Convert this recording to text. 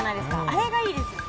あれがいいですよね